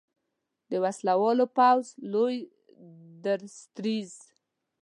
د وسلوال پوځ لوی درستیز